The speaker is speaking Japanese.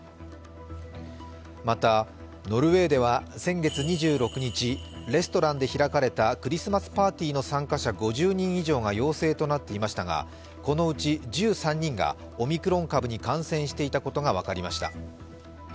また、ノルウェーでは先月２６日、レストランで開かれたクリスマスパーティーの参加者５０人以上が陽性となっていましたが、このうち１３人がオミクロン株に感染していたことが分かりました。